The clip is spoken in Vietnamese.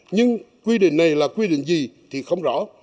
nhưng quy định này là quy định gì thì không rõ